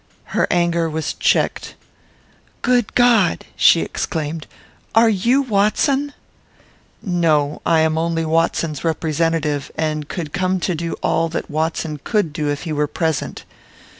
Her anger was checked. "Good God!" she exclaimed, "are you Watson?" "No; I am only Watson's representative, and come to do all that Watson could do if he were present."